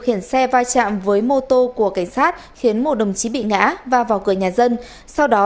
khiển xe va chạm với mô tô của cảnh sát khiến một đồng chí bị ngã và vào cửa nhà dân sau đó